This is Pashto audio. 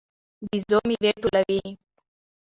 بيزو میوې ټولوي.